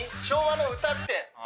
昭和の歌って。